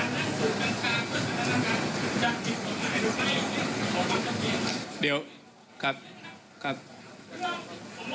เดี๋ยวครับครับ